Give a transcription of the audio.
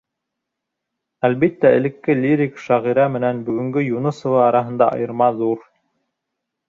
Әлбиттә, элекке лирик шағирә менән бөгөнгө Юнысова араһында айырма ҙур.